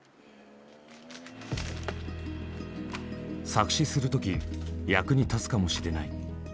作詞する時役に立つかもしれない。